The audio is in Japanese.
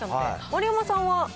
丸山さんは。